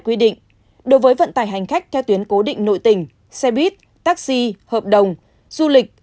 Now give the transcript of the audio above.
quy định đối với vận tải hành khách theo tuyến cố định nội tỉnh xe buýt taxi hợp đồng du lịch